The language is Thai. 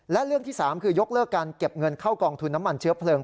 และเรื่องที่๓คือยกเลิกการเก็บเงินเข้ากองทุนน้ำมันเชื้อเพลิง